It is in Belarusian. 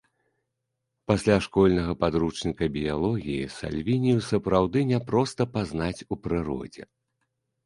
Пасля школьнага падручніка біялогіі сальвінію сапраўды няпроста пазнаць у прыродзе.